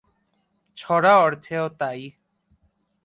ছড়া অর্থেও তাই।